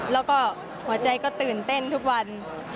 แล้วก็หัวใจก็ตื่นเต้นทุกวัน